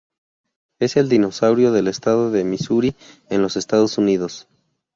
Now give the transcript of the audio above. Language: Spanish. Es el dinosaurio del estado de Missouri en los Estados Unidos.